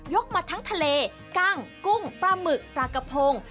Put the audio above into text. กมาทั้งทะเลกั้งกุ้งปลาหมึกปลากระพง